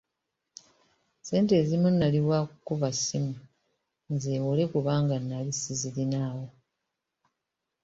Ssente ezimu nali waakukuba ssimu nzeewole kubanga nnali sizirinaawo.